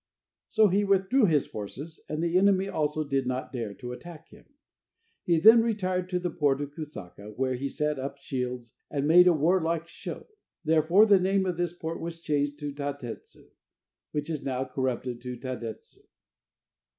So he withdrew his forces, and the enemy also did not dare to attack him. He then retired to the port of Kusaka, where he set up shields, and made a warlike show. Therefore the name of this port was changed to Tatetsu, which is now corrupted into Tadetsu.